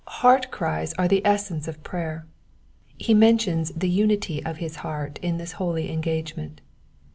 Heart cries are the essence of prayer. He mentions the unity of his heart in this holy engagement.